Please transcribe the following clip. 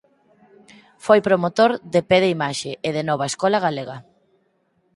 Foi promotor de "Pé de Imaxe" e de Nova Escola Galega.